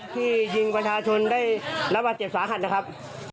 ที่ยิงประชาชนได้รับบาดเจ็บสาหัสนะครับ